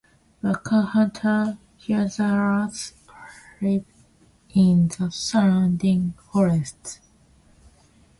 Baka hunter-gatherers live in the surrounding forests.